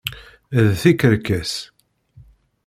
D tikerkas!